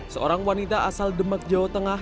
seorang wanita asal demak jawa tengah